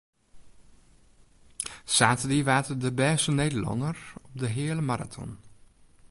Saterdei waard er de bêste Nederlanner op de heale maraton.